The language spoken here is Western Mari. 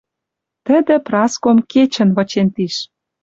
Тӹдӹ Праском кечӹнь вычен тиш.